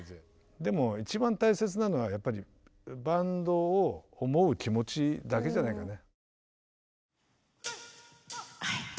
でも一番大切なのはやっぱりバンドを思う気持ちだけじゃないかな。